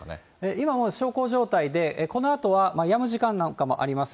今はもう小康状態で、このあとは、やむ時間なんかもあります。